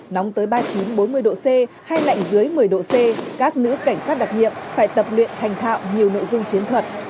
nóng tới ba mươi chín bốn mươi độ c hay lạnh dưới một mươi độ c các nữ cảnh sát đặc nhiệm phải tập luyện thành thạo nhiều nội dung chiến thuật